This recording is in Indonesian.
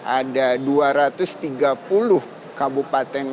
ada dua ratus tiga puluh kabupaten